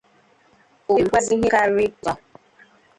o wèé rukwazie ihe karịrị otu ahọ